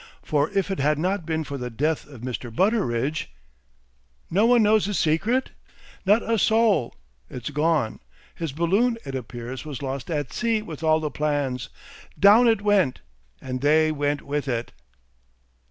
For if it had not been for the death of Mr. Butteridge " "No one knows his secret?" "Not a soul. It's gone. His balloon, it appears, was lost at sea, with all the plans. Down it went, and they went with it."